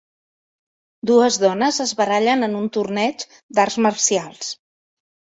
Dues dones es barallen en un torneig d'arts marcials.